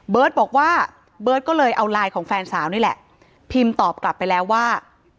บอกว่าเบิร์ตก็เลยเอาไลน์ของแฟนสาวนี่แหละพิมพ์ตอบกลับไปแล้วว่า